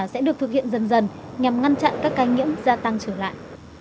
sẽ được thực hiện dần dần nhằm ngăn chặn các ca nhiễm gia tăng trở lại